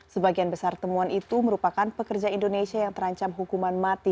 sebagian besar temuan itu merupakan pekerja indonesia yang terancam hukuman mati